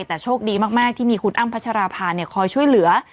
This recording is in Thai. แต่โชคดีมากที่มีคุณอ้ำพัชราภาคอยช่วยเหลือ